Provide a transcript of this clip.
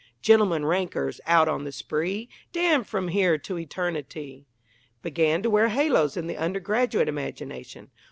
Gentlemen rankers, out on the spree, Damned from here to eternity, began to wear halos in the undergraduate imagination.